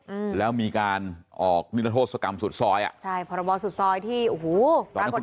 อืมแล้วมีการออกนิรโทษกรรมสุดซอยอ่ะใช่พรบสุดซอยที่โอ้โหปรากฏ